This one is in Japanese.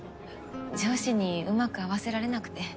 上司にうまく合わせられなくて。